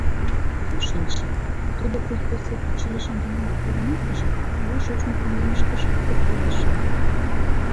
Кӧ шинча, тудо, культпросветучилищым тунем пытарымекыже, ала шочмо кундемышкыжак пӧртылеш ыле...